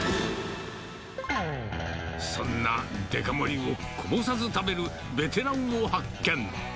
そんなデカ盛りをこぼさず食べるベテランを発見。